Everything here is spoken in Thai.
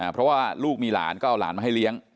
เพราะว่าลูกมีหลานก็เอาหลานมาให้เลี้ยง